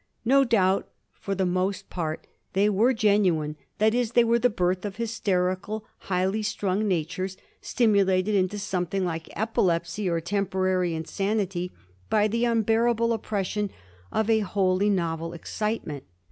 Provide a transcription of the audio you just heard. No doubt for the most part they were genuine: that is, they were the birth of hysterical, highly strung natures, stimu lated into something like epilepsy or temporary insanity by the unbearable oppression of a wholly novel excite ment.